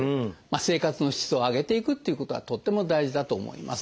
生活の質を上げていくっていうことはとっても大事だと思います。